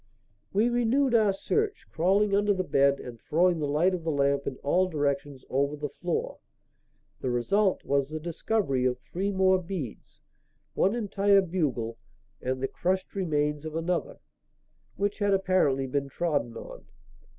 We renewed our search, crawling under the bed and throwing the light of the lamp in all directions over the floor. The result was the discovery of three more beads, one entire bugle and the crushed remains of another, which had apparently been trodden on.